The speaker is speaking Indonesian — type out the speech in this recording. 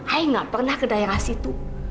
ayah gak pernah ke daerah situ